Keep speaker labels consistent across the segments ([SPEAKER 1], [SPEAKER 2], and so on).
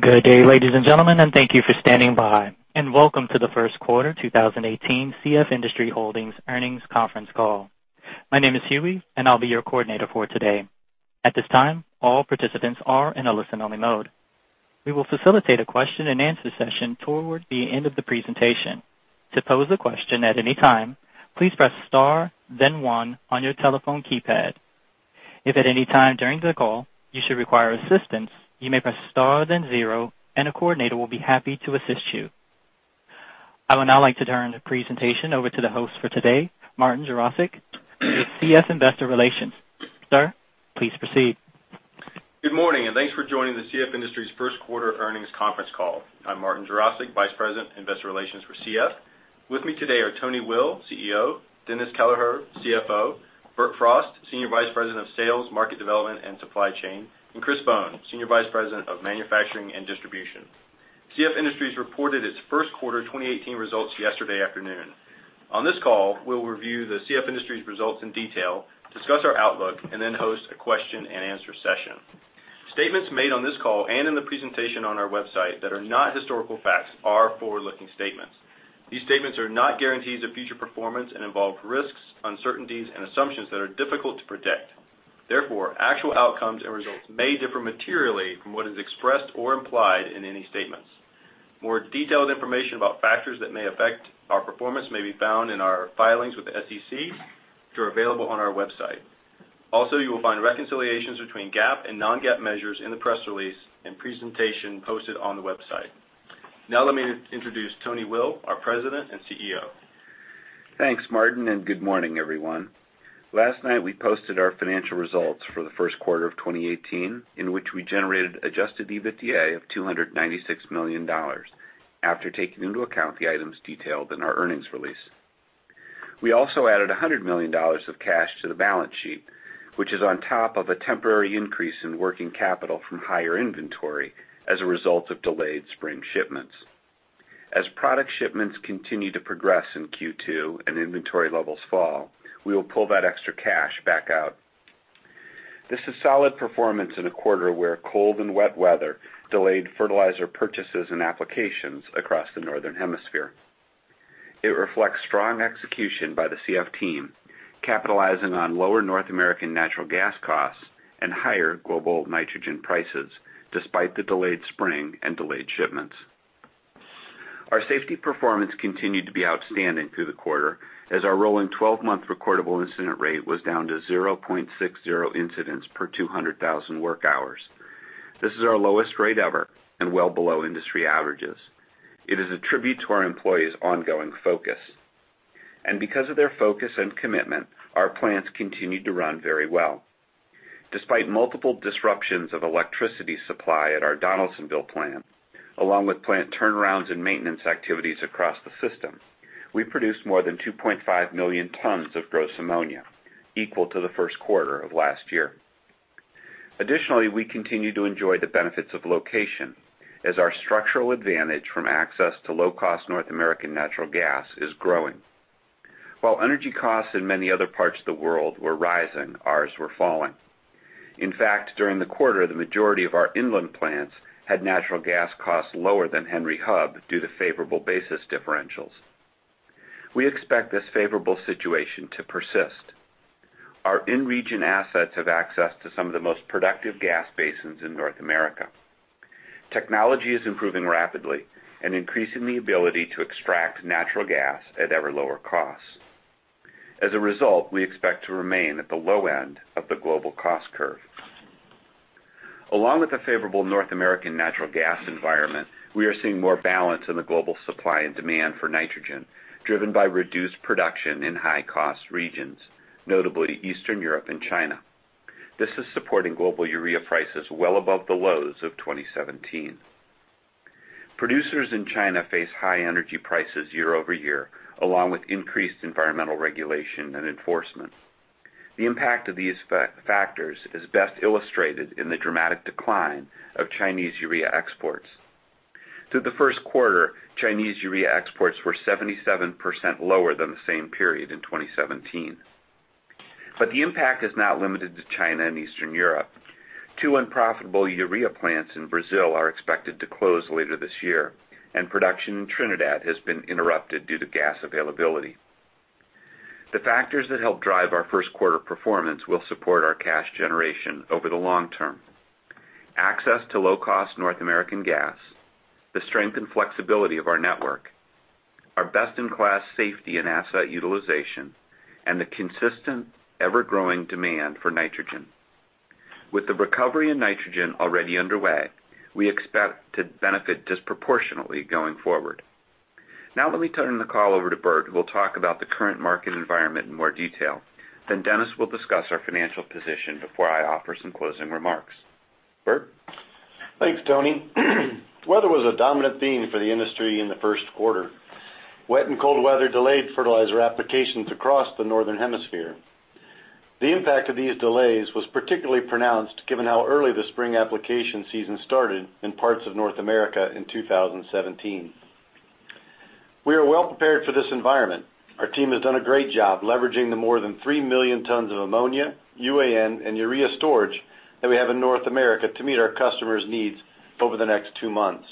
[SPEAKER 1] Good day, ladies and gentlemen, thank you for standing by, welcome to the first quarter 2018 CF Industries Holdings earnings conference call. My name is Huey, I will be your coordinator for today. At this time, all participants are in a listen-only mode. We will facilitate a question-and-answer session toward the end of the presentation. To pose a question at any time, please press star then one on your telephone keypad. If at any time during the call you should require assistance, you may press star then zero, a coordinator will be happy to assist you. I would now like to turn the presentation over to the host for today, Martin Jarosick with CF Investor Relations. Sir, please proceed.
[SPEAKER 2] Good morning, thanks for joining the CF Industries first quarter earnings conference call. I am Martin Jarosick, Vice President, Investor Relations for CF. With me today are Tony Will, CEO, Dennis Kelleher, CFO, Bert Frost, Executive Vice President of Sales, Market Development, and Supply Chain, Chris Bohn, Senior Vice President, Manufacturing and Distribution. CF Industries reported its first quarter 2018 results yesterday afternoon. On this call, we will review the CF Industries results in detail, discuss our outlook, then host a question-and-answer session. Statements made on this call and in the presentation on our website that are not historical facts are forward-looking statements. These statements are not guarantees of future performance and involve risks, uncertainties, and assumptions that are difficult to predict. Therefore, actual outcomes and results may differ materially from what is expressed or implied in any statements. More detailed information about factors that may affect our performance may be found in our filings with the SEC, which are available on our website. Also, you will find reconciliations between GAAP and non-GAAP measures in the press release and presentation posted on the website. Now let me introduce Tony Will, our President and CEO.
[SPEAKER 3] Thanks, Martin, good morning, everyone. Last night we posted our financial results for the first quarter of 2018 in which we generated adjusted EBITDA of $296 million after taking into account the items detailed in our earnings release. We also added $100 million of cash to the balance sheet, which is on top of a temporary increase in working capital from higher inventory as a result of delayed spring shipments. As product shipments continue to progress in Q2 and inventory levels fall, we will pull that extra cash back out. This is solid performance in a quarter where cold and wet weather delayed fertilizer purchases and applications across the Northern Hemisphere. It reflects strong execution by the CF team, capitalizing on lower North American natural gas costs and higher global nitrogen prices despite the delayed spring and delayed shipments. Our safety performance continued to be outstanding through the quarter as our rolling 12-month recordable incident rate was down to 0.60 incidents per 200,000 work hours. This is our lowest rate ever and well below industry averages. It is a tribute to our employees' ongoing focus. Because of their focus and commitment, our plants continued to run very well. Despite multiple disruptions of electricity supply at our Donaldsonville plant, along with plant turnarounds and maintenance activities across the system, we produced more than 2.5 million tons of gross ammonia, equal to the first quarter of last year. Additionally, we continue to enjoy the benefits of location as our structural advantage from access to low-cost North American natural gas is growing. While energy costs in many other parts of the world were rising, ours were falling. In fact, during the quarter, the majority of our inland plants had natural gas costs lower than Henry Hub due to favorable basis differentials. We expect this favorable situation to persist. Our in-region assets have access to some of the most productive gas basins in North America. Technology is improving rapidly and increasing the ability to extract natural gas at ever lower costs. As a result, we expect to remain at the low end of the global cost curve. Along with the favorable North American natural gas environment, we are seeing more balance in the global supply and demand for nitrogen, driven by reduced production in high-cost regions, notably Eastern Europe and China. This is supporting global Urea prices well above the lows of 2017. Producers in China face high energy prices year-over-year, along with increased environmental regulation and enforcement. The impact of these factors is best illustrated in the dramatic decline of Chinese Urea exports. Through the first quarter, Chinese Urea exports were 77% lower than the same period in 2017. The impact is not limited to China and Eastern Europe. Two unprofitable Urea plants in Brazil are expected to close later this year, and production in Trinidad has been interrupted due to gas availability. The factors that help drive our first quarter performance will support our cash generation over the long term. Access to low-cost North American gas, the strength and flexibility of our network, our best-in-class safety and asset utilization, and the consistent, ever-growing demand for nitrogen. With the recovery in nitrogen already underway, we expect to benefit disproportionately going forward. Now let me turn the call over to Bert, who will talk about the current market environment in more detail. Dennis will discuss our financial position before I offer some closing remarks. Bert?
[SPEAKER 4] Thanks, Tony. Weather was a dominant theme for the industry in the first quarter. Wet and cold weather delayed fertilizer applications across the Northern Hemisphere. The impact of these delays was particularly pronounced given how early the spring application season started in parts of North America in 2017. We are well prepared for this environment. Our team has done a great job leveraging the more than 3 million tons of ammonia, UAN, and Urea storage that we have in North America to meet our customers' needs over the next two months.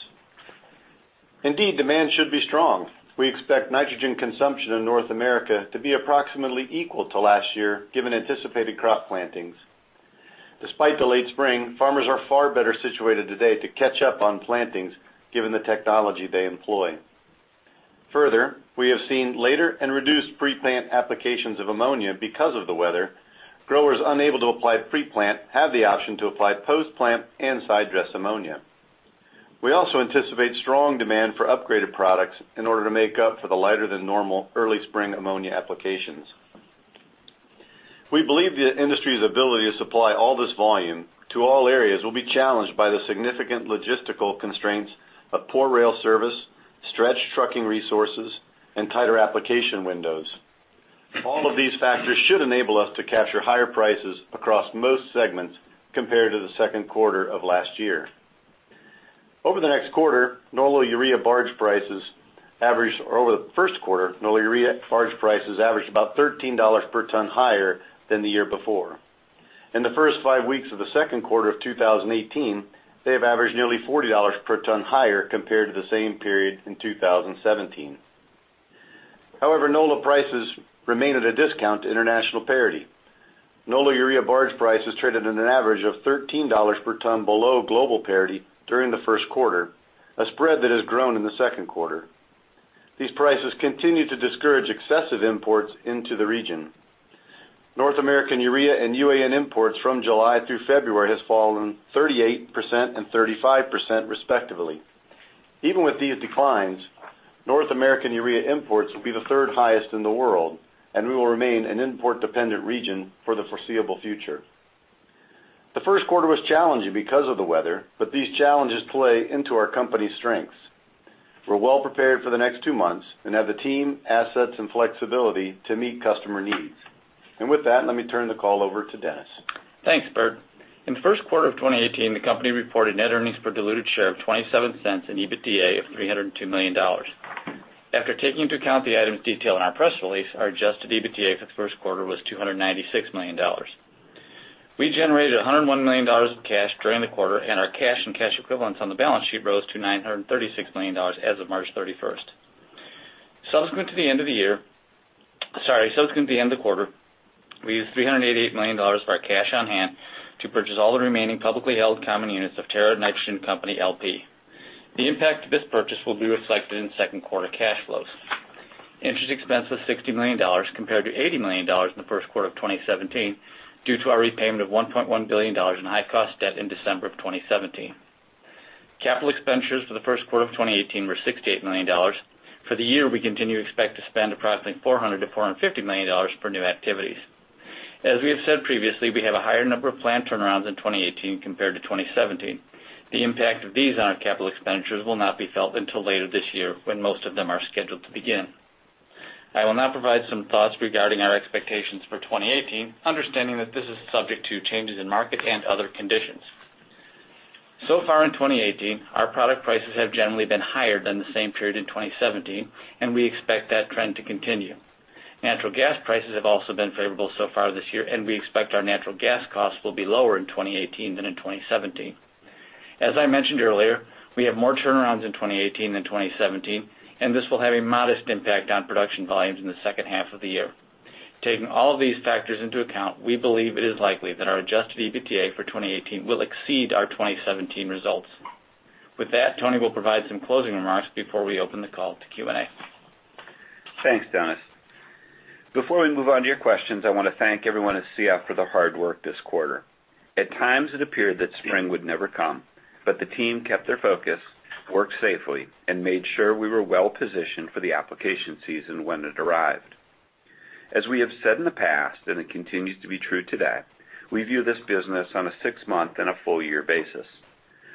[SPEAKER 4] Indeed, demand should be strong. We expect nitrogen consumption in North America to be approximately equal to last year, given anticipated crop plantings. Despite the late spring, farmers are far better situated today to catch up on plantings given the technology they employ. Further, we have seen later and reduced pre-plant applications of ammonia because of the weather. Growers unable to apply pre-plant have the option to apply post-plant and side-dress ammonia. We also anticipate strong demand for upgraded products in order to make up for the lighter than normal early spring ammonia applications. We believe the industry's ability to supply all this volume to all areas will be challenged by the significant logistical constraints of poor rail service, stretched trucking resources, and tighter application windows. All of these factors should enable us to capture higher prices across most segments compared to the second quarter of last year. Over the first quarter, NOLA Urea barge prices averaged about $13 per ton higher than the year before. In the first five weeks of the second quarter of 2018, they have averaged nearly $40 per ton higher compared to the same period in 2017. However, NOLA prices remain at a discount to international parity. NOLA Urea barge prices traded at an average of $13 per ton below global parity during the first quarter, a spread that has grown in the second quarter. These prices continue to discourage excessive imports into the region. North American Urea and UAN imports from July through February has fallen 38% and 35%, respectively. Even with these declines, North American Urea imports will be the third highest in the world, and we will remain an import-dependent region for the foreseeable future. The first quarter was challenging because of the weather, but these challenges play into our company's strengths. We're well prepared for the next two months and have the team, assets, and flexibility to meet customer needs. With that, let me turn the call over to Dennis.
[SPEAKER 5] Thanks, Bert. In the first quarter of 2018, the company reported net earnings per diluted share of $0.27 and EBITDA of $302 million. After taking into account the items detailed in our press release, our adjusted EBITDA for the first quarter was $296 million. We generated $101 million of cash during the quarter, and our cash and cash equivalents on the balance sheet rose to $936 million as of March 31st. Subsequent to the end of the quarter, we used $388 million of our cash on hand to purchase all the remaining publicly held common units of Terra Nitrogen Company, L.P.. The impact of this purchase will be reflected in second quarter cash flows. Interest expense was $60 million compared to $80 million in the first quarter of 2017 due to our repayment of $1.1 billion in high-cost debt in December of 2017. Capital expenditures for the first quarter of 2018 were $68 million. For the year, we continue to expect to spend approximately $400 million-$450 million for new activities. As we have said previously, we have a higher number of plant turnarounds in 2018 compared to 2017. The impact of these on our capital expenditures will not be felt until later this year when most of them are scheduled to begin. I will now provide some thoughts regarding our expectations for 2018, understanding that this is subject to changes in market and other conditions. So far in 2018, our product prices have generally been higher than the same period in 2017, and we expect that trend to continue. Natural gas prices have also been favorable so far this year, and we expect our natural gas costs will be lower in 2018 than in 2017. As I mentioned earlier, we have more turnarounds in 2018 than 2017, and this will have a modest impact on production volumes in the second half of the year. Taking all of these factors into account, we believe it is likely that our adjusted EBITDA for 2018 will exceed our 2017 results. With that, Tony will provide some closing remarks before we open the call to Q&A.
[SPEAKER 3] Thanks, Dennis. Before we move on to your questions, I want to thank everyone at CF for their hard work this quarter. At times, it appeared that spring would never come. The team kept their focus, worked safely, and made sure we were well-positioned for the application season when it arrived. As we have said in the past, and it continues to be true today, we view this business on a six-month and a full-year basis.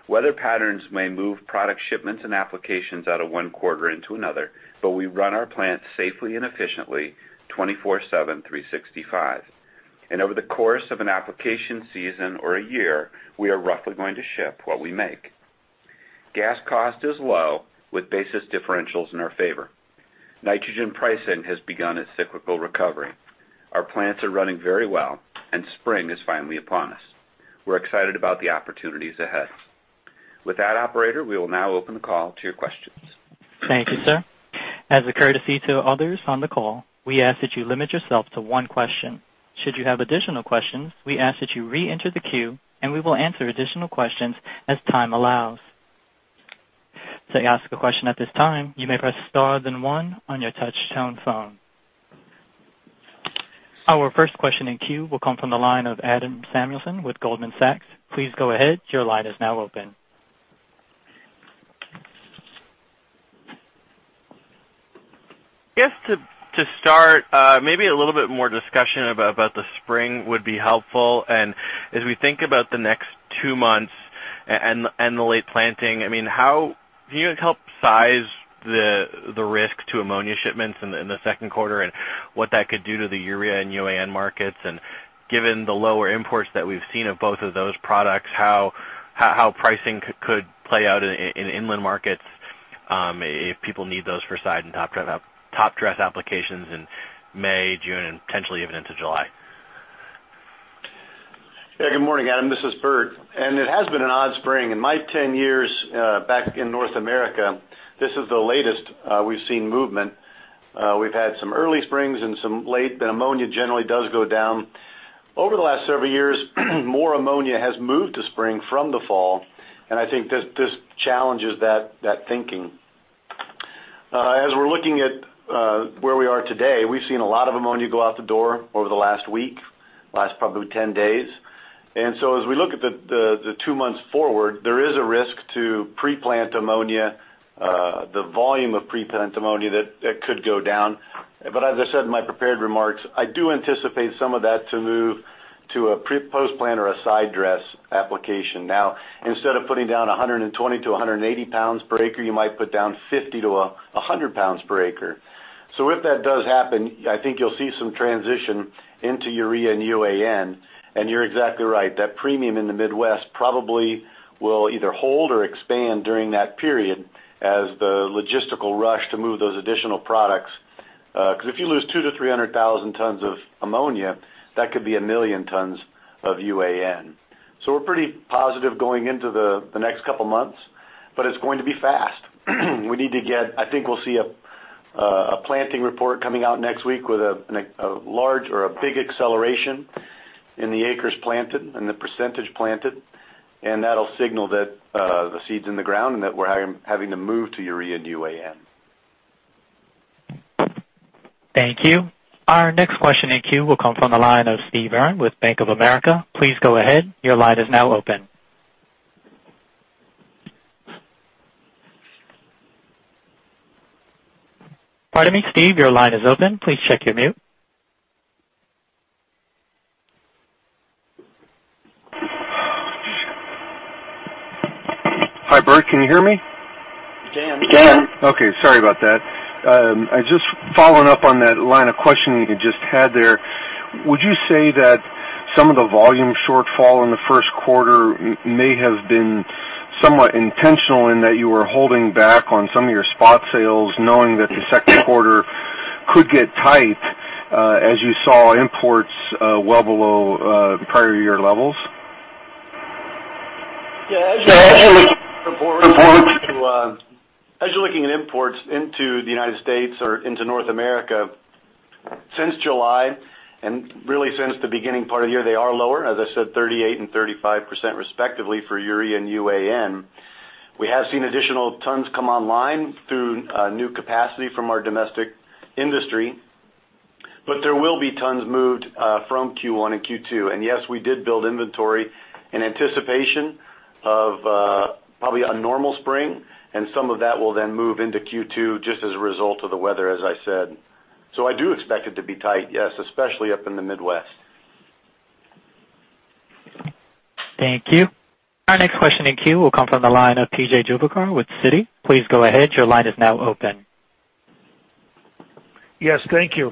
[SPEAKER 3] Weather patterns may move product shipments and applications out of one quarter into another, but we run our plants safely and efficiently 24/7/365. Over the course of an application season or a year, we are roughly going to ship what we make. Gas cost is low with basis differentials in our favor. Nitrogen pricing has begun its cyclical recovery. Our plants are running very well, and spring is finally upon us. We're excited about the opportunities ahead. With that, operator, we will now open the call to your questions.
[SPEAKER 1] Thank you, sir. As a courtesy to others on the call, we ask that you limit yourself to one question. Should you have additional questions, we ask that you reenter the queue, and we will answer additional questions as time allows. To ask a question at this time, you may press star then one on your touchtone phone. Our first question in queue will come from the line of Adam Samuelson with Goldman Sachs. Please go ahead. Your line is now open.
[SPEAKER 6] I guess to start, maybe a little bit more discussion about the spring would be helpful. As we think about the next two months and the late planting, can you help size the risk to ammonia shipments in the second quarter and what that could do to the Urea and UAN markets? Given the lower imports that we've seen of both of those products, how pricing could play out in inland markets?
[SPEAKER 3] If people need those for side and top dress applications in May, June, and potentially even into July.
[SPEAKER 4] Good morning, Adam. This is Bert. It has been an odd spring. In my 10 years back in North America, this is the latest we've seen movement. We've had some early springs and some late, ammonia generally does go down. Over the last several years, more ammonia has moved to spring from the fall, and I think this challenges that thinking. As we're looking at where we are today, we've seen a lot of ammonia go out the door over the last week, last probably 10 days. As we look at the two months forward, there is a risk to pre-plant ammonia, the volume of pre-plant ammonia that could go down. As I said in my prepared remarks, I do anticipate some of that to move to a pre-post plant or a side dress application. Now, instead of putting down 120-180 pounds per acre, you might put down 50-100 pounds per acre. If that does happen, I think you'll see some transition into Urea and UAN, and you're exactly right, that premium in the Midwest probably will either hold or expand during that period as the logistical rush to move those additional products. Because if you lose 200,000-300,000 tons of ammonia, that could be 1 million tons of UAN. We're pretty positive going into the next couple of months, it's going to be fast. I think we'll see a planting report coming out next week with a large or a big acceleration in the acres planted and the percentage planted, and that'll signal that the seed's in the ground and that we're having to move to Urea and UAN.
[SPEAKER 1] Thank you. Our next question in queue will come from the line of Steve Byrne with Bank of America. Please go ahead. Your line is now open. Pardon me, Steve, your line is open. Please check your mute.
[SPEAKER 7] Hi, Bert, can you hear me?
[SPEAKER 4] We can.
[SPEAKER 7] Okay. Sorry about that. Just following up on that line of questioning you just had there, would you say that some of the volume shortfall in the first quarter may have been somewhat intentional in that you were holding back on some of your spot sales, knowing that the second quarter could get tight as you saw imports well below prior year levels?
[SPEAKER 4] Yeah. As you're looking at imports into the U.S. or into North America since July and really since the beginning part of the year, they are lower, as I said, 38% and 35% respectively for Urea and UAN. We have seen additional tons come online through new capacity from our domestic industry, but there will be tons moved from Q1 and Q2. Yes, we did build inventory in anticipation of probably a normal spring, and some of that will then move into Q2 just as a result of the weather, as I said. I do expect it to be tight, yes, especially up in the Midwest.
[SPEAKER 1] Thank you. Our next question in queue will come from the line of P.J. Juvekar with Citi. Please go ahead. Your line is now open.
[SPEAKER 8] Yes. Thank you.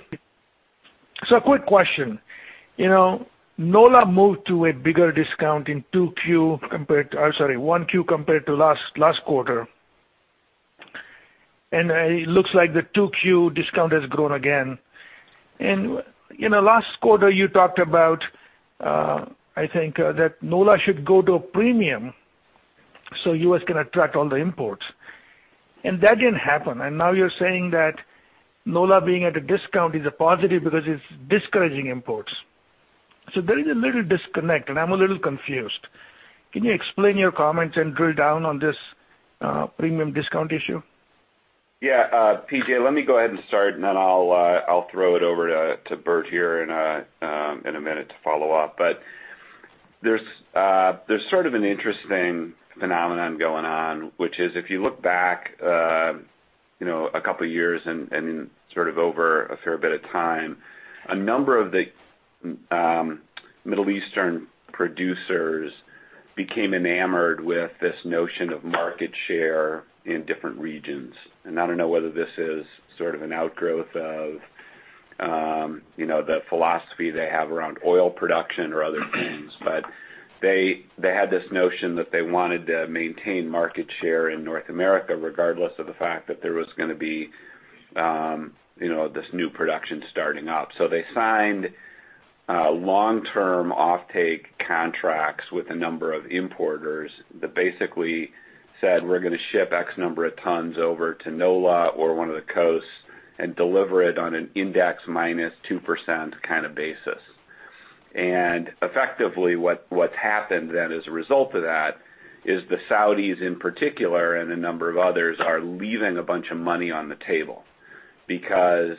[SPEAKER 8] A quick question. NOLA moved to a bigger discount in 1Q compared to last quarter. It looks like the 2Q discount has grown again. Last quarter, you talked about, I think that NOLA should go to a premium so U.S. can attract all the imports. That didn't happen. Now you're saying that NOLA being at a discount is a positive because it's discouraging imports. There is a little disconnect and I'm a little confused. Can you explain your comments and drill down on this premium discount issue?
[SPEAKER 3] Yeah, P.J., let me go ahead and start, then I'll throw it over to Bert here in a minute to follow up. There's sort of an interesting phenomenon going on, which is if you look back a couple of years and sort of over a fair bit of time, a number of the Middle Eastern producers became enamored with this notion of market share in different regions. I don't know whether this is sort of an outgrowth of the philosophy they have around oil production or other things, they had this notion that they wanted to maintain market share in North America regardless of the fact that there was going to be this new production starting up. They signed long-term offtake contracts with a number of importers that basically said, "We're going to ship X number of tons over to NOLA or one of the coasts and deliver it on an index minus 2% kind of basis." Effectively what's happened then as a result of that is the Saudis in particular and a number of others are leaving a bunch of money on the table because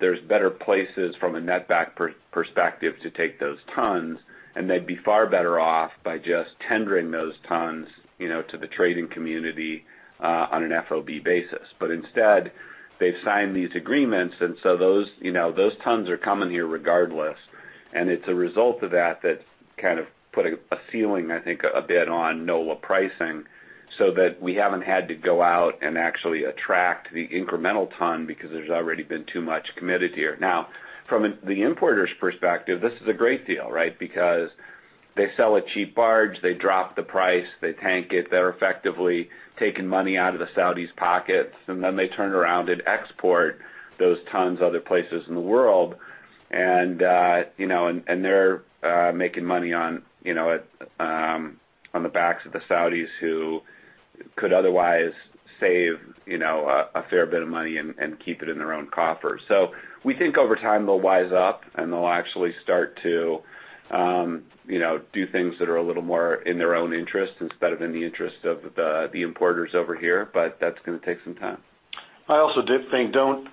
[SPEAKER 3] there's better places from a net back perspective to take those tons, and they'd be far better off by just tendering those tons to the trading community on an FOB basis. Instead, they've signed these agreements, those tons are coming here regardless, it's a result of that that kind of put a ceiling, I think, a bit on NOLA pricing so that we haven't had to go out and actually attract the incremental ton because there's already been too much committed here. Now, from the importer's perspective, this is a great deal, right? Because they sell a cheap barge, they drop the price, they tank it. They're effectively taking money out of the Saudis' pockets, then they turn around and export those tons other places in the world. They're making money on the backs of the Saudis who could otherwise save a fair bit of money and keep it in their own coffers. We think over time they'll wise up, and they'll actually start to do things that are a little more in their own interest instead of in the interest of the importers over here. That's going to take some time.
[SPEAKER 4] I also did think, don't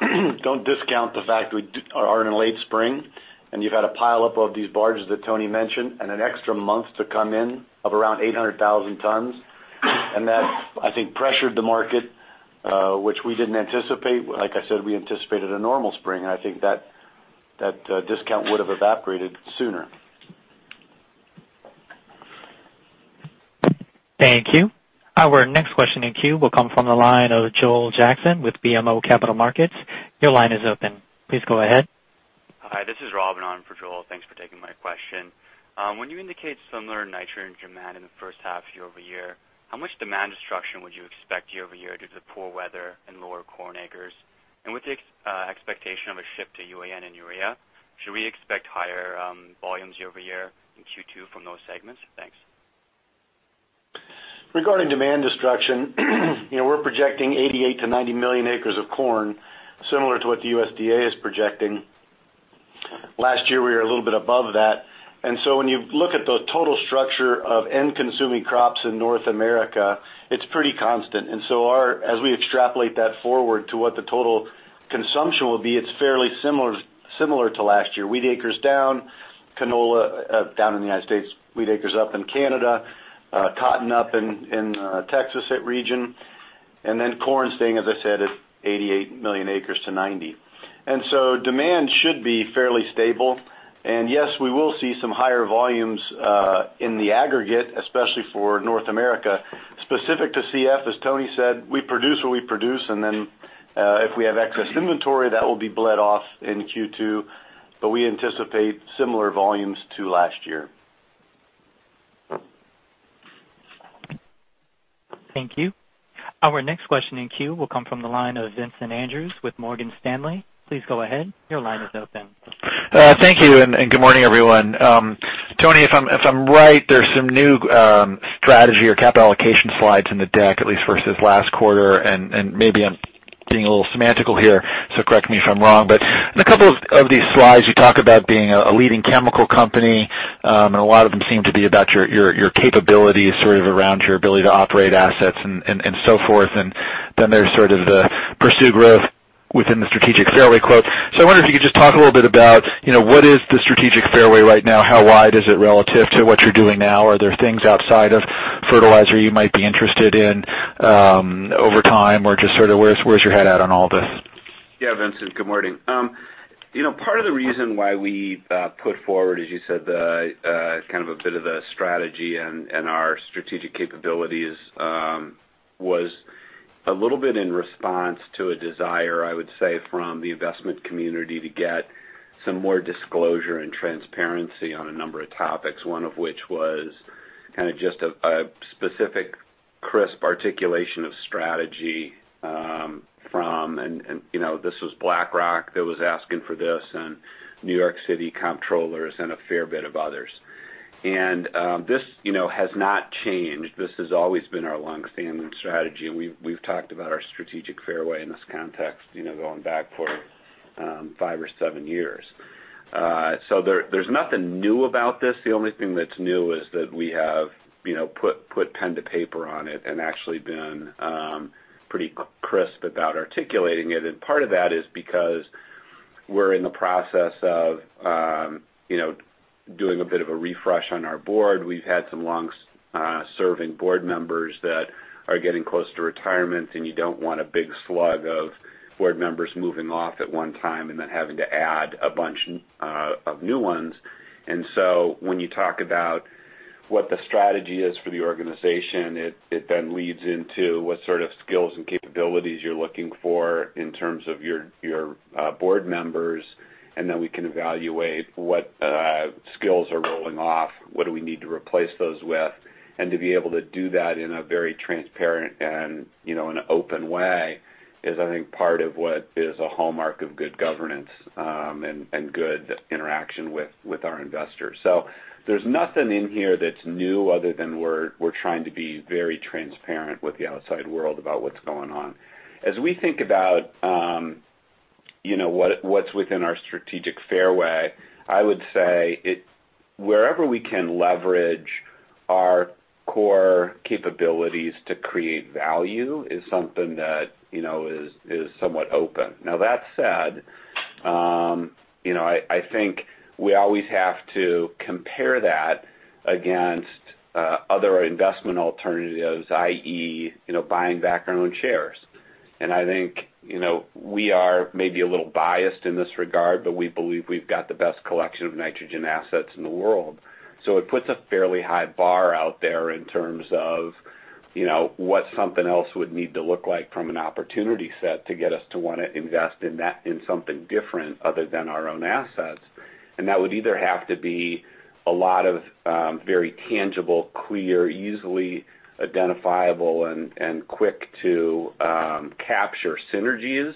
[SPEAKER 4] discount the fact we are in a late spring, and you've had a pileup of these barges that Tony mentioned and an extra month to come in of around 800,000 tons. That, I think, pressured the market, which we didn't anticipate. Like I said, we anticipated a normal spring. I think that discount would have evaporated sooner.
[SPEAKER 1] Thank you. Our next question in queue will come from the line of Joel Jackson with BMO Capital Markets. Your line is open. Please go ahead.
[SPEAKER 9] Hi, this is Robin on for Joel. Thanks for taking my question. When you indicate similar nitrogen demand in the first half year-over-year, how much demand destruction would you expect year-over-year due to the poor weather and lower corn acres? With the expectation of a shift to UAN and Urea, should we expect higher volumes year-over-year in Q2 from those segments? Thanks.
[SPEAKER 4] Regarding demand destruction, we're projecting 88 million acres-90 million acres of corn, similar to what the USDA is projecting. Last year, we were a little bit above that. When you look at the total structure of end-consuming crops in North America, it's pretty constant. As we extrapolate that forward to what the total consumption will be, it's fairly similar to last year. Wheat acres down, canola down in the U.S., wheat acres up in Canada, cotton up in Texas hit region, then corn staying, as I said, at 88 million acres-90 million acres. Demand should be fairly stable. Yes, we will see some higher volumes in the aggregate, especially for North America. Specific to CF, as Tony said, we produce what we produce. If we have excess inventory, that will be bled off in Q2. We anticipate similar volumes to last year.
[SPEAKER 1] Thank you. Our next question in queue will come from the line of Vincent Andrews with Morgan Stanley. Please go ahead. Your line is open.
[SPEAKER 10] Thank you. Good morning, everyone. Tony, if I'm right, there's some new strategy or capital allocation slides in the deck, at least versus last quarter. Maybe I'm being a little semantical here, correct me if I'm wrong. In a couple of these slides, you talk about being a leading chemical company, a lot of them seem to be about your capabilities sort of around your ability to operate assets and so forth. There's sort of the pursue growth within the strategic fairway quote. I wonder if you could just talk a little bit about what is the strategic fairway right now, how wide is it relative to what you're doing now? Are there things outside of fertilizer you might be interested in over time, or just sort of where's your head at on all this?
[SPEAKER 3] Yeah, Vincent, good morning. Part of the reason why we put forward, as you said, the kind of a bit of a strategy and our strategic capabilities was a little bit in response to a desire, I would say, from the investment community to get some more disclosure and transparency on a number of topics. One of which was kind of just a specific crisp articulation of strategy from, and this was BlackRock that was asking for this, and New York City Comptrollers and a fair bit of others. This has not changed. This has always been our longstanding strategy, and we've talked about our strategic fairway in this context going back for five or seven years. There's nothing new about this. The only thing that's new is that we have put pen to paper on it and actually been pretty crisp about articulating it. Part of that is because we're in the process of doing a bit of a refresh on our board. We've had some long-serving board members that are getting close to retirement, and you don't want a big slug of board members moving off at one time and then having to add a bunch of new ones. When you talk about what the strategy is for the organization, it then leads into what sort of skills and capabilities you're looking for in terms of your board members, and then we can evaluate what skills are rolling off, what do we need to replace those with. To be able to do that in a very transparent and an open way is, I think, part of what is a hallmark of good governance and good interaction with our investors. There's nothing in here that's new other than we're trying to be very transparent with the outside world about what's going on. As we think about what's within our strategic fairway, I would say wherever we can leverage our core capabilities to create value is something that is somewhat open. That said, I think we always have to compare that against other investment alternatives, i.e., buying back our own shares. I think we are maybe a little biased in this regard, but we believe we've got the best collection of nitrogen assets in the world. It puts a fairly high bar out there in terms of what something else would need to look like from an opportunity set to get us to want to invest in that, in something different other than our own assets. That would either have to be a lot of very tangible, clear, easily identifiable, and quick to capture synergies.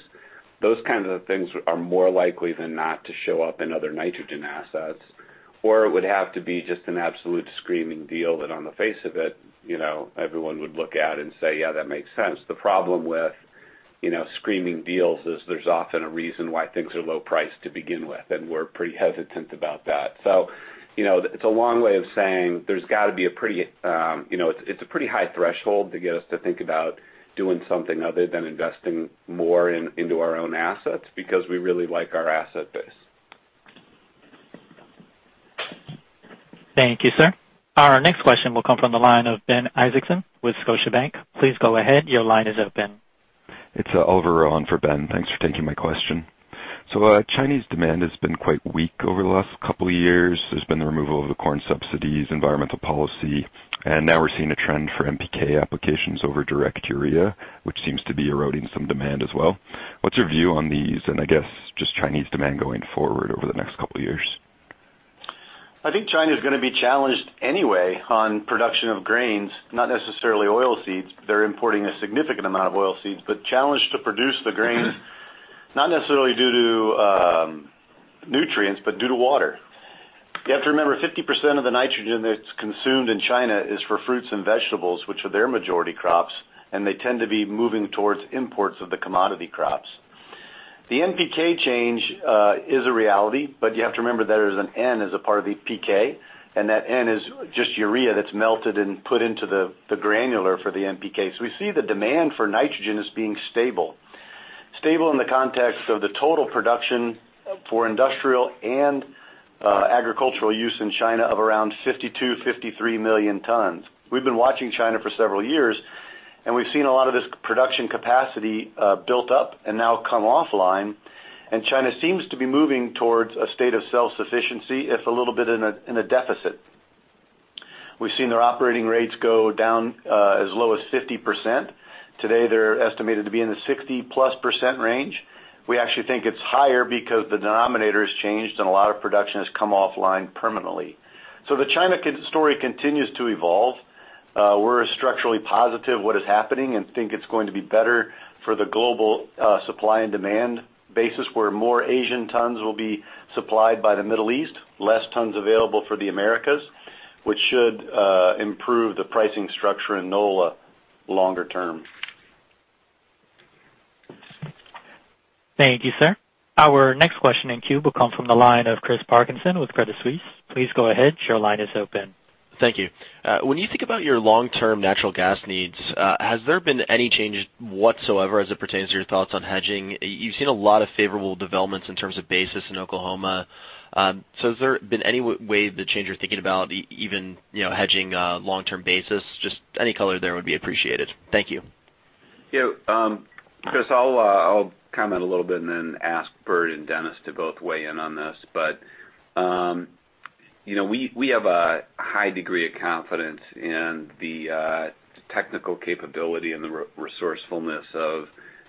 [SPEAKER 3] Those kinds of things are more likely than not to show up in other nitrogen assets. It would have to be just an absolute screaming deal that on the face of it, everyone would look at and say, "Yeah, that makes sense." The problem with screaming deals is there's often a reason why things are low priced to begin with, and we're pretty hesitant about that. It's a long way of saying, it's a pretty high threshold to get us to think about doing something other than investing more into our own assets because we really like our asset base.
[SPEAKER 1] Thank you, sir. Our next question will come from the line of Ben Isaacson with Scotiabank. Please go ahead. Your line is open.
[SPEAKER 11] It's Oliver on for Ben. Thanks for taking my question. Chinese demand has been quite weak over the last couple of years. There's been the removal of the corn subsidies, environmental policy, and now we're seeing a trend for NPK applications over direct Urea, which seems to be eroding some demand as well. What's your view on these, and I guess just Chinese demand going forward over the next couple of years?
[SPEAKER 4] I think China's going to be challenged anyway on production of grains, not necessarily oil seeds. They're importing a significant amount of oil seeds. Challenged to produce the grains, not necessarily due to nutrients, but due to water. You have to remember, 50% of the nitrogen that's consumed in China is for fruits and vegetables, which are their majority crops, and they tend to be moving towards imports of the commodity crops. The NPK change is a reality, but you have to remember there is an N as a part of NPK, and that N is just Urea that's melted and put into the granular for the NPK. We see the demand for nitrogen as being stable. Stable in the context of the total production for industrial and agricultural use in China of around 52, 53 million tons. We've been watching China for several years, and we've seen a lot of this production capacity built up and now come offline. China seems to be moving towards a state of self-sufficiency, if a little bit in a deficit. We've seen their operating rates go down as low as 50%. Today, they're estimated to be in the 60-plus% range. We actually think it's higher because the denominator has changed, and a lot of production has come offline permanently. The China story continues to evolve. We're structurally positive what is happening and think it's going to be better for the global supply and demand basis where more Asian tons will be supplied by the Middle East, less tons available for the Americas, which should improve the pricing structure in NOLA longer term.
[SPEAKER 1] Thank you, sir. Our next question in queue will come from the line of Chris Parkinson with Credit Suisse. Please go ahead. Your line is open.
[SPEAKER 12] Thank you. When you think about your long-term natural gas needs, has there been any change whatsoever as it pertains to your thoughts on hedging? You've seen a lot of favorable developments in terms of basis in Oklahoma. Has there been any way the change you're thinking about even hedging long-term basis? Just any color there would be appreciated. Thank you.
[SPEAKER 3] Yeah. Chris, I'll comment a little bit and then ask Bert and Dennis to both weigh in on this. We have a high degree of confidence in the technical capability and the resourcefulness of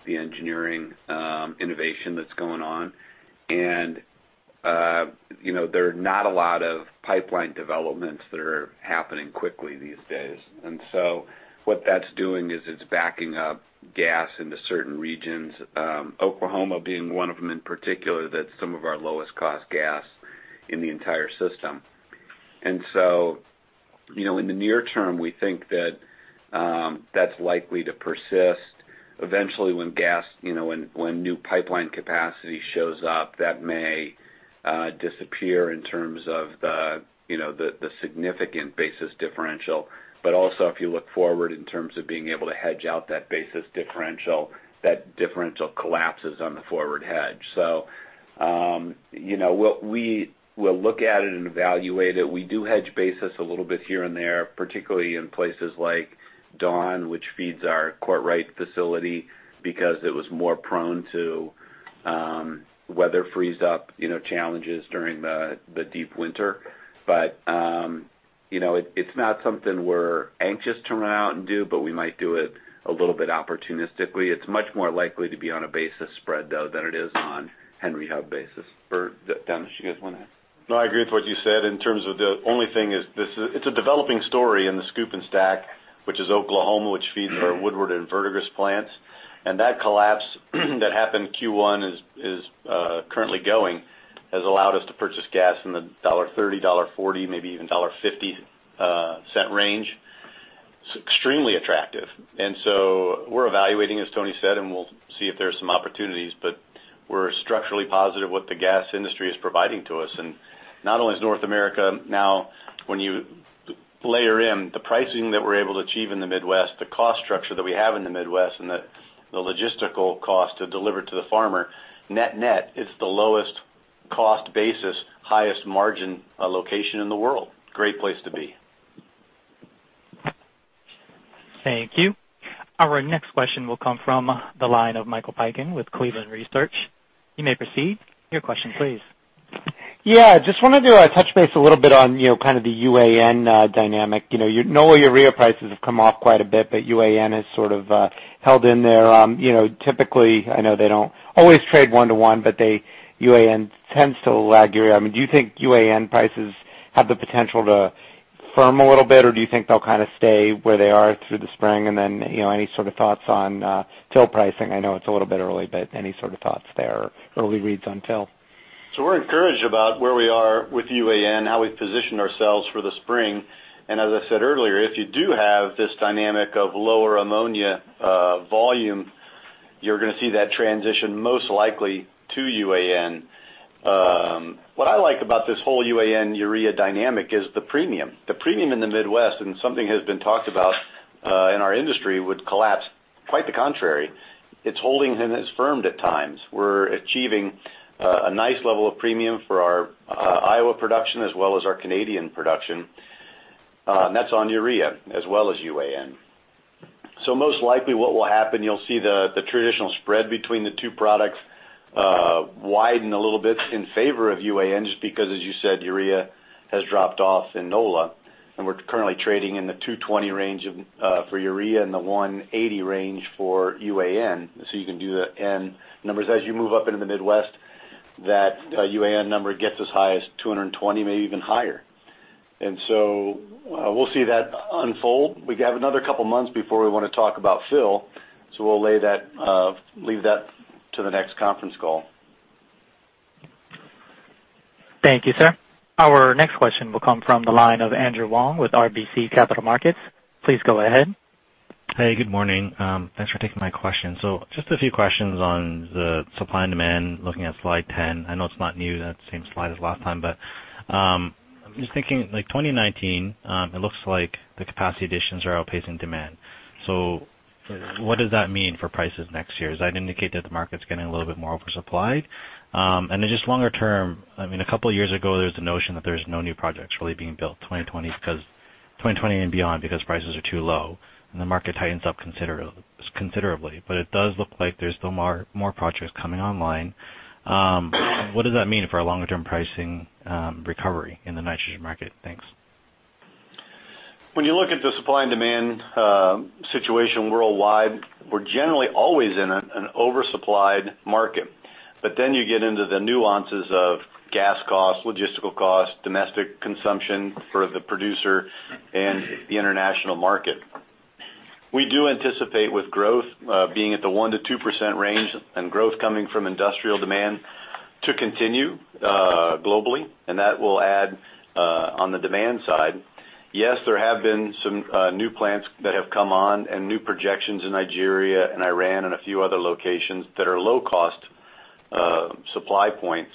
[SPEAKER 3] the engineering innovation that's going on. There are not a lot of pipeline developments that are happening quickly these days. What that's doing is it's backing up gas into certain regions, Oklahoma being one of them in particular that's some of our lowest cost gas in the entire system. In the near term, we think that's likely to persist. Eventually when new pipeline capacity shows up, that may disappear in terms of the significant basis differential. Also if you look forward in terms of being able to hedge out that basis differential, that differential collapses on the forward hedge. We'll look at it and evaluate it. We do hedge basis a little bit here and there, particularly in places like Dawn, which feeds our Courtright facility because it was more prone to weather freeze up challenges during the deep winter. It's not something we're anxious to run out and do, but we might do it a little bit opportunistically. It's much more likely to be on a basis spread though than it is on Henry Hub basis. Bert, Dennis, you guys wanna add?
[SPEAKER 4] I agree with what you said in terms of the only thing is it's a developing story in the SCOOP and STACK, which is Oklahoma, which feeds our Woodward and Verdigris plants. That collapse that happened Q1 is currently going, has allowed us to purchase gas in the $1.30, $1.40, maybe even $1.50 range. It's extremely attractive. So we're evaluating, as Tony said, and we'll see if there's some opportunities. We're structurally positive what the gas industry is providing to us. Not only is North America now, when you layer in the pricing that we're able to achieve in the Midwest, the cost structure that we have in the Midwest, and the logistical cost to deliver to the farmer, net-net, it's the lowest cost basis, highest margin location in the world. Great place to be.
[SPEAKER 1] Thank you. Our next question will come from the line of Michael Piken with Cleveland Research. You may proceed. Your question please.
[SPEAKER 13] Yeah. Just wanted to touch base a little bit on kind of the UAN dynamic. Nola Urea prices have come off quite a bit, UAN has sort of held in there. Typically, I know they don't always trade one to one, UAN tends to lag Urea. Do you think UAN prices have the potential to firm a little bit, or do you think they'll kind of stay where they are through the spring? Then, any sort of thoughts on fall pricing? I know it's a little bit early, any sort of thoughts there or early reads on fall?
[SPEAKER 4] We're encouraged about where we are with UAN, how we've positioned ourselves for the spring. As I said earlier, if you do have this dynamic of lower ammonia volume, you're going to see that transition most likely to UAN. What I like about this whole UAN Urea dynamic is the premium. The premium in the Midwest, something has been talked about in our industry, would collapse. Quite the contrary. It's holding and has firmed at times. We're achieving a nice level of premium for our Iowa production as well as our Canadian production. That's on Urea as well as UAN. Most likely what will happen, you'll see the traditional spread between the two products widen a little bit in favor of UAN, just because, as you said, Urea has dropped off in Nola, we're currently trading in the $220 range for Urea and the $180 range for UAN. You can do the numbers. As you move up into the Midwest, that UAN number gets as high as $220, maybe even higher. We'll see that unfold. We have another couple of months before we want to talk about fill, so we'll leave that to the next conference call.
[SPEAKER 1] Thank you, sir. Our next question will come from the line of Andrew Wong with RBC Capital Markets. Please go ahead.
[SPEAKER 14] Hey, good morning. Thanks for taking my question. Just a few questions on the supply and demand, looking at slide 10. I know it's not new, that same slide as last time, but I'm just thinking, like, 2019, it looks like the capacity additions are outpacing demand. What does that mean for prices next year? Does that indicate that the market's getting a little bit more oversupplied? Just longer term, a couple of years ago, there was the notion that there's no new projects really being built 2020 and beyond because prices are too low and the market tightens up considerably. It does look like there's still more projects coming online. What does that mean for a longer-term pricing recovery in the nitrogen market? Thanks.
[SPEAKER 4] When you look at the supply and demand situation worldwide, we're generally always in an oversupplied market. You get into the nuances of gas costs, logistical costs, domestic consumption for the producer, and the international market. We do anticipate with growth being at the 1%-2% range and growth coming from industrial demand to continue globally, that will add on the demand side. Yes, there have been some new plants that have come on and new projections in Nigeria and Iran and a few other locations that are low-cost supply points.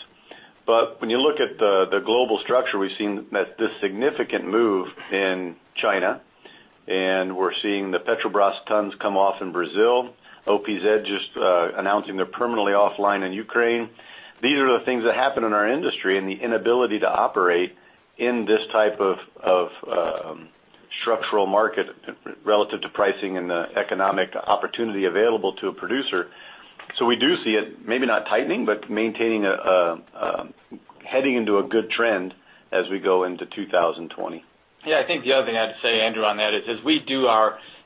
[SPEAKER 4] When you look at the global structure, we've seen this significant move in China, we're seeing the Petrobras tons come off in Brazil. OPZ just announcing they're permanently offline in Ukraine. These are the things that happen in our industry and the inability to operate in this type of structural market relative to pricing and the economic opportunity available to a producer. We do see it, maybe not tightening, but heading into a good trend as we go into 2020.
[SPEAKER 3] I think the other thing I'd say, Andrew, on that is as we do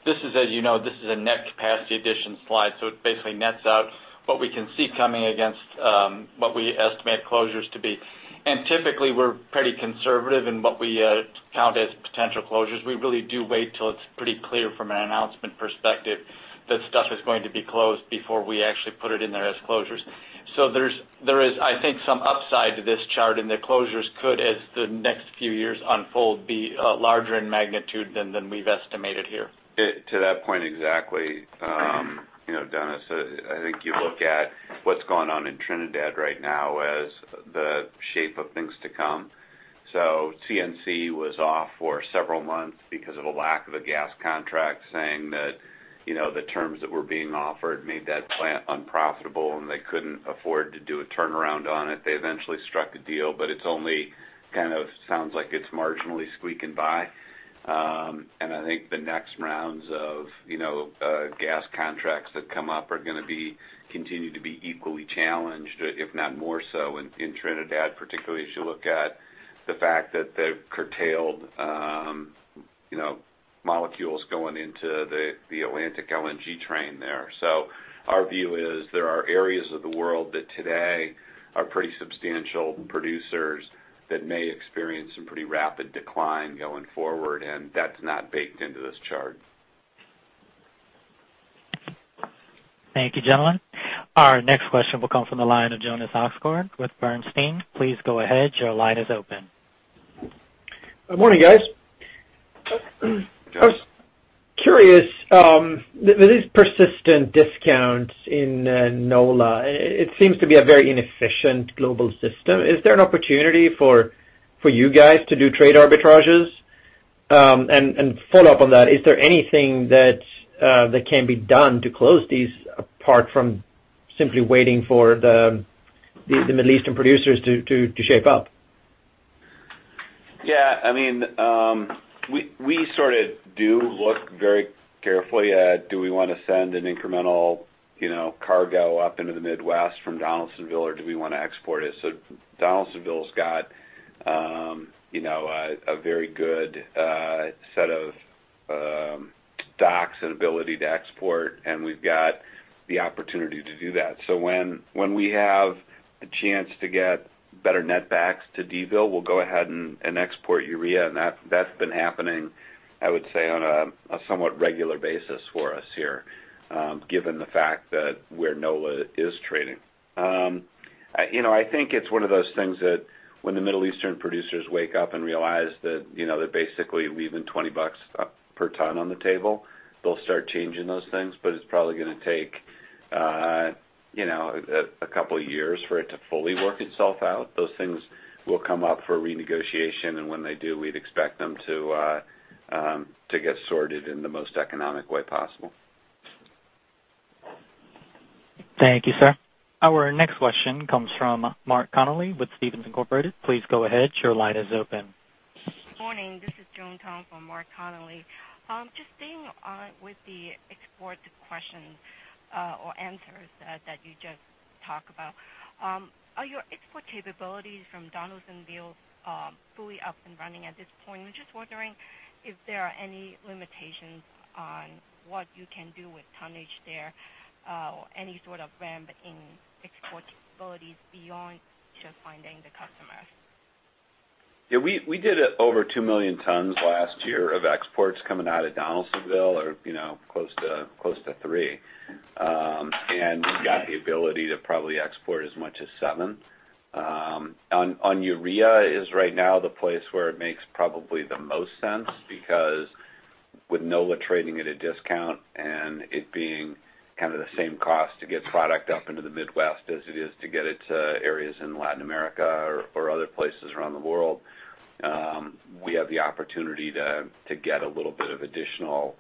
[SPEAKER 3] this is a net capacity addition slide, so it basically nets out what we can see coming against what we estimate closures to be. Typically, we're pretty conservative in what we count as potential closures. We really do wait till it's pretty clear from an announcement perspective that stuff is going to be closed before we actually put it in there as closures. There is, I think, some upside to this chart, and the closures could, as the next few years unfold, be larger in magnitude than we've estimated here. To that point exactly, Dennis, I think you look at what's going on in Trinidad right now as the shape of things to come. CNC was off for several months because of a lack of a gas contract, saying that the terms that were being offered made that plant unprofitable, and they couldn't afford to do a turnaround on it. They eventually struck a deal, but it only kind of sounds like it's marginally squeaking by. I think the next rounds of gas contracts that come up are going to continue to be equally challenged, if not more so in Trinidad, particularly as you look at the fact that they've curtailed molecules going into the Atlantic LNG train there. Our view is there are areas of the world that today are pretty substantial producers that may experience some pretty rapid decline going forward, and that's not baked into this chart.
[SPEAKER 1] Thank you, gentlemen. Our next question will come from the line of Jonas Oxgaard with Bernstein. Please go ahead. Your line is open.
[SPEAKER 15] Good morning, guys. I was curious, with these persistent discounts in Nola, it seems to be a very inefficient global system. Is there an opportunity for you guys to do trade arbitrages? Follow-up on that, is there anything that can be done to close these apart from simply waiting for the
[SPEAKER 3] The Middle Eastern producers to shape up. Yeah. We sort of do look very carefully at do we want to send an incremental cargo up into the Midwest from Donaldsonville or do we want to export it? Donaldsonville's got a very good set of docks and ability to export, and we've got the opportunity to do that. When we have a chance to get better net backs to Donaldsonville, we'll go ahead and export Urea. That's been happening, I would say, on a somewhat regular basis for us here, given the fact that where Nola is trading. I think it's one of those things that when the Middle Eastern producers wake up and realize that basically leaving $20 per ton on the table, they'll start changing those things, but it's probably going to take a couple of years for it to fully work itself out. Those things will come up for renegotiation, when they do, we'd expect them to get sorted in the most economic way possible.
[SPEAKER 1] Thank you, sir. Our next question comes from Mark Connelly with Stephens Inc. Please go ahead. Your line is open.
[SPEAKER 16] Morning. This is Joan Tong from Mark Connelly. Just staying on with the export question or answers that you just talked about. Are your export capabilities from Donaldsonville fully up and running at this point? I'm just wondering if there are any limitations on what you can do with tonnage there or any sort of ramp in export capabilities beyond just finding the customers.
[SPEAKER 3] Yeah, we did over 2 million tons last year of exports coming out of Donaldsonville or close to three. We've got the ability to probably export as much as seven. Urea is right now the place where it makes probably the most sense because with Nola trading at a discount and it being kind of the same cost to get product up into the Midwest as it is to get it to areas in Latin America or other places around the world, we have the opportunity to get a little bit of additional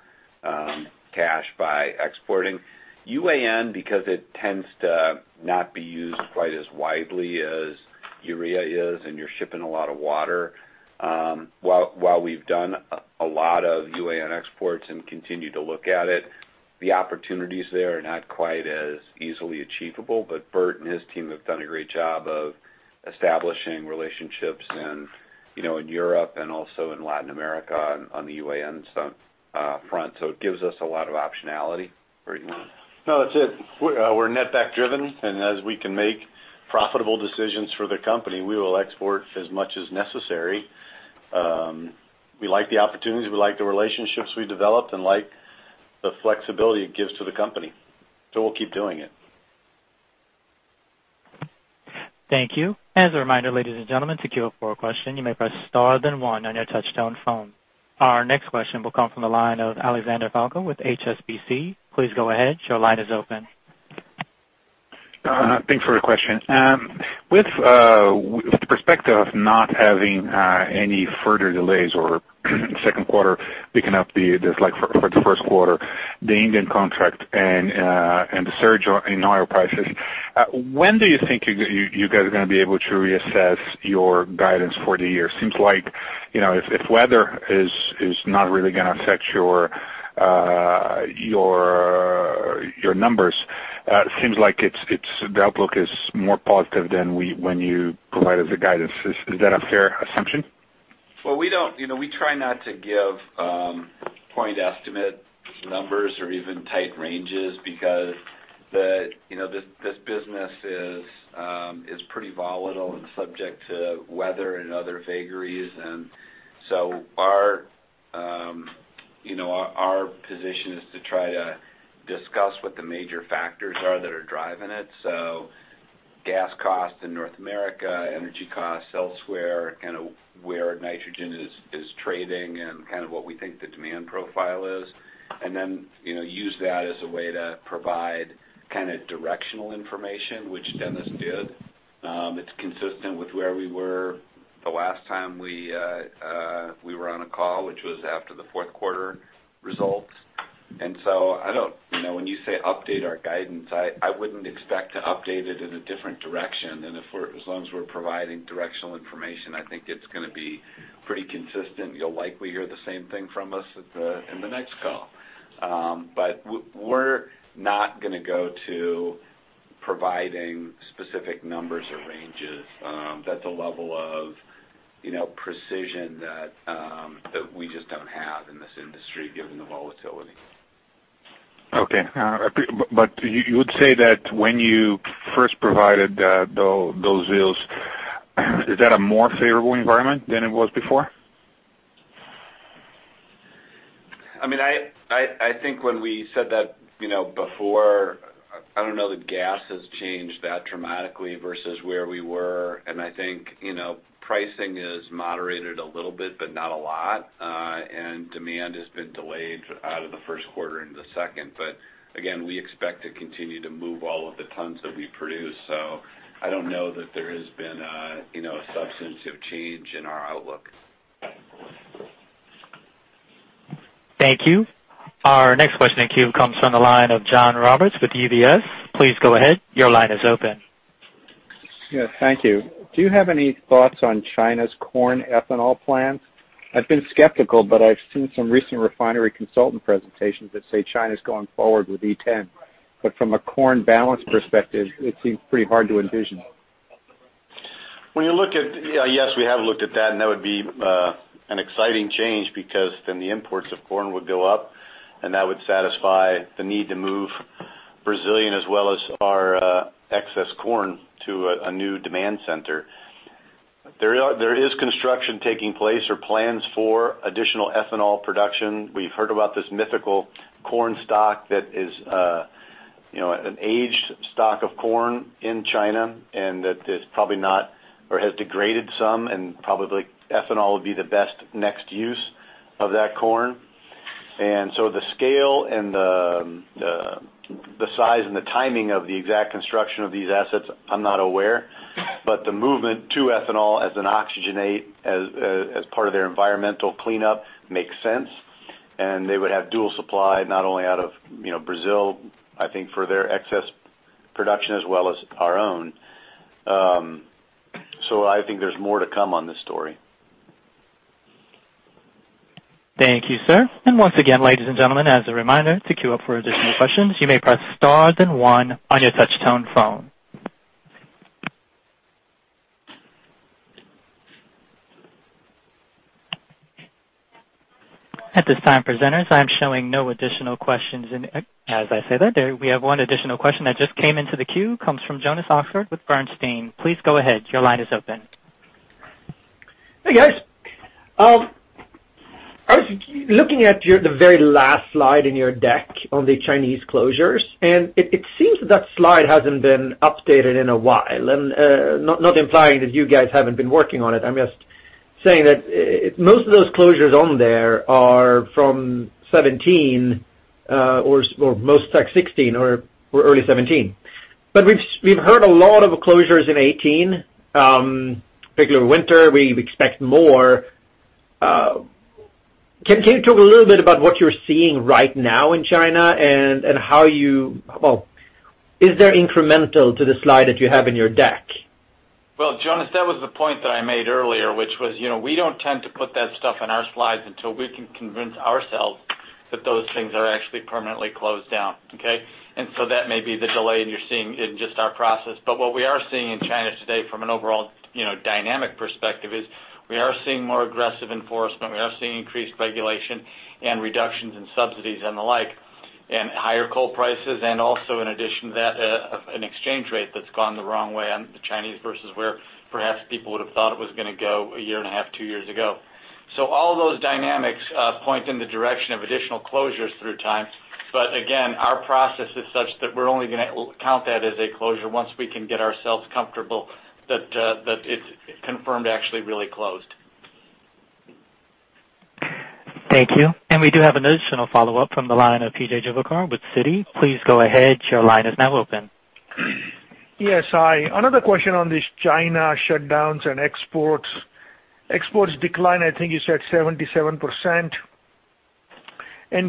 [SPEAKER 3] cash by exporting. UAN because it tends to not be used quite as widely as Urea is and you're shipping a lot of water. While we've done a lot of UAN exports and continue to look at it, the opportunities there are not quite as easily achievable. Bert and his team have done a great job of establishing relationships in Europe and also in Latin America on the UAN front. It gives us a lot of optionality. Bert.
[SPEAKER 4] No, that's it. We're net back driven and as we can make profitable decisions for the company, we will export as much as necessary. We like the opportunities, we like the relationships we developed and like the flexibility it gives to the company. We'll keep doing it.
[SPEAKER 1] Thank you. As a reminder, ladies and gentlemen, to queue up for a question you may press star then one on your touchtone phone. Our next question will come from the line of Alexandre Falcão with HSBC. Please go ahead. Your line is open.
[SPEAKER 17] Thanks for the question. With the perspective of not having any further delays or second quarter picking up the dislike for the first quarter, the Indian contract and the surge in oil prices, when do you think you guys are going to be able to reassess your guidance for the year? Seems like if weather is not really going to affect your numbers, seems like the outlook is more positive than when you provided the guidance. Is that a fair assumption?
[SPEAKER 3] We try not to give point estimate numbers or even tight ranges because this business is pretty volatile and subject to weather and other vagaries. Our position is to try to discuss what the major factors are that are driving it. Gas costs in North America, energy costs elsewhere, kind of where nitrogen is trading and kind of what we think the demand profile is. Use that as a way to provide kind of directional information, which Dennis did. It's consistent with where we were the last time we were on a call, which was after the fourth quarter results. I don't when you say update our guidance, I wouldn't expect to update it in a different direction. As long as we're providing directional information, I think it's going to be pretty consistent. You'll likely hear the same thing from us in the next call. We're not going to go to providing specific numbers or ranges. That's a level of precision that we just don't have in this industry given the volatility.
[SPEAKER 17] Okay. You would say that when you first provided those views, is that a more favorable environment than it was before?
[SPEAKER 3] I think when we said that before, I don't know that gas has changed that dramatically versus where we were. I think pricing has moderated a little bit but not a lot. Demand has been delayed out of the first quarter into the second. Again, we expect to continue to move all of the tons that we produce. I don't know that there has been a substantive change in our outlook.
[SPEAKER 1] Thank you. Our next question in queue comes from the line of John Roberts with UBS. Please go ahead. Your line is open.
[SPEAKER 18] Yes, thank you. Do you have any thoughts on China's corn ethanol plans? I've been skeptical, I've seen some recent refinery consultant presentations that say China's going forward with E10. From a corn balance perspective, it seems pretty hard to envision.
[SPEAKER 4] Yes, we have looked at that, and that would be an exciting change because then the imports of corn would go up, and that would satisfy the need to move Brazilian as well as our excess corn to a new demand center. There is construction taking place or plans for additional ethanol production. We've heard about this mythical corn stock that is an aged stock of corn in China, and that it's probably not or has degraded some and probably ethanol would be the best next use of that corn. The scale and the size and the timing of the exact construction of these assets, I'm not aware. The movement to ethanol as an oxygenate, as part of their environmental cleanup makes sense. They would have dual supply not only out of Brazil, I think, for their excess production as well as our own. I think there's more to come on this story.
[SPEAKER 1] Thank you, sir. Once again, ladies and gentlemen, as a reminder, to queue up for additional questions, you may press star then one on your touch-tone phone. At this time, presenters, I'm showing no additional questions. As I say that, we have one additional question that just came into the queue, comes from Jonas Oxgaard with Bernstein. Please go ahead. Your line is open.
[SPEAKER 15] Hey, guys. I was looking at the very last slide in your deck on the Chinese closures, it seems that slide hasn't been updated in a while. Not implying that you guys haven't been working on it. I'm just saying that most of those closures on there are from 2017, or most 2016 or early 2017. We've heard a lot of closures in 2018, particularly winter. We expect more. Can you talk a little bit about what you're seeing right now in China and is there incremental to the slide that you have in your deck?
[SPEAKER 5] Well, Jonas, that was the point that I made earlier, which was, we don't tend to put that stuff in our slides until we can convince ourselves that those things are actually permanently closed down. Okay. That may be the delay you're seeing in just our process. What we are seeing in China today from an overall dynamic perspective is we are seeing more aggressive enforcement. We are seeing increased regulation and reductions in subsidies and the like, higher coal prices, in addition to that, an exchange rate that's gone the wrong way on the Chinese versus where perhaps people would have thought it was going to go one and a half, two years ago. All those dynamics point in the direction of additional closures through time. Again, our process is such that we're only going to count that as a closure once we can get ourselves comfortable that it's confirmed actually really closed.
[SPEAKER 1] Thank you. We do have an additional follow-up from the line of P.J. Juvekar with Citi. Please go ahead. Your line is now open.
[SPEAKER 8] Yes, hi. Another question on these China shutdowns and exports. Exports decline, I think you said 77%.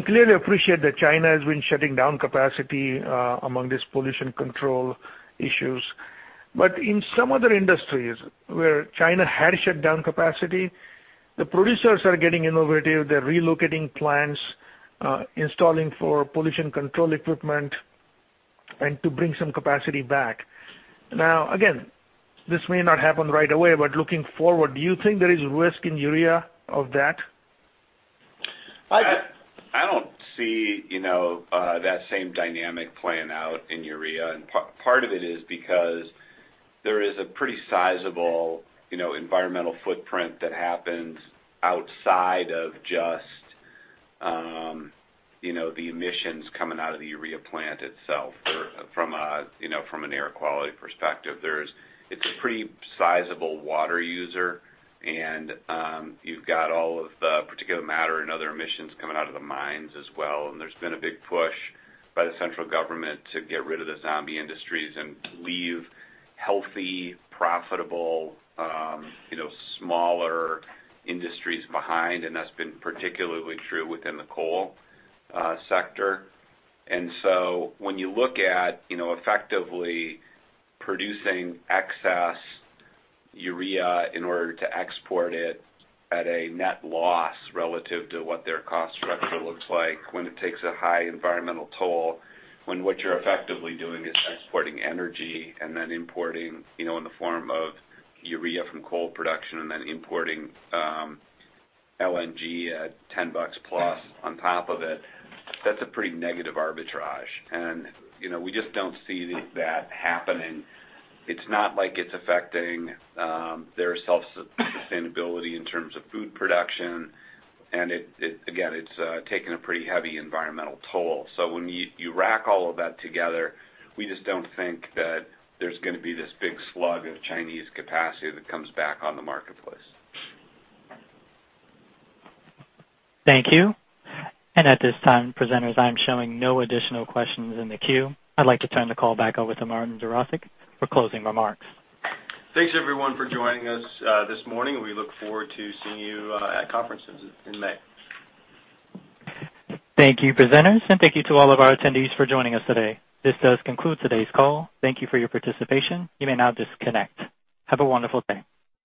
[SPEAKER 8] Clearly appreciate that China has been shutting down capacity among these pollution control issues. In some other industries where China had shut down capacity, the producers are getting innovative. They're relocating plants, installing for pollution control equipment, and to bring some capacity back. Again, this may not happen right away, but looking forward, do you think there is risk in Urea of that?
[SPEAKER 3] I don't see that same dynamic playing out in Urea. Part of it is because there is a pretty sizable environmental footprint that happens outside of just the emissions coming out of the Urea plant itself from an air quality perspective. It's a pretty sizable water user, you've got all of the particulate matter and other emissions coming out of the mines as well. There's been a big push by the central government to get rid of the zombie industries and leave healthy, profitable, smaller industries behind. That's been particularly true within the coal sector. When you look at effectively producing excess Urea in order to export it at a net loss relative to what their cost structure looks like, when it takes a high environmental toll, when what you're effectively doing is exporting energy and then importing in the form of Urea from coal production and then importing LNG at $10 plus on top of it, that's a pretty negative arbitrage. We just don't see that happening. It's not like it's affecting their self-sustainability in terms of food production. Again, it's taking a pretty heavy environmental toll. When you rack all of that together, we just don't think that there's going to be this big slug of Chinese capacity that comes back on the marketplace.
[SPEAKER 1] Thank you. At this time, presenters, I'm showing no additional questions in the queue. I'd like to turn the call back over to Martin Jarosick for closing remarks.
[SPEAKER 2] Thanks everyone for joining us this morning. We look forward to seeing you at conferences in May.
[SPEAKER 1] Thank you, presenters, and thank you to all of our attendees for joining us today. This does conclude today's call. Thank you for your participation. You may now disconnect. Have a wonderful day.